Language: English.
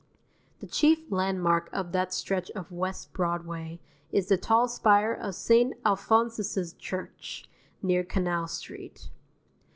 The chief landmark of that stretch of West Broadway is the tall spire of St. Alphonsus' Church, near Canal Street.